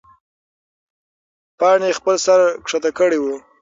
پاڼې خپل سر ښکته کړی و.